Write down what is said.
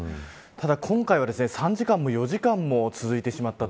ただ今回は、３時間も４時間も続いてしまった。